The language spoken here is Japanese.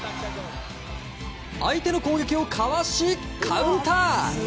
相手の攻撃をかわしカウンター！